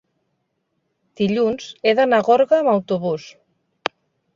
Dilluns he d'anar a Gorga amb autobús.